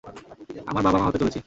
আমরা বাবা-মা হতে চলেছি।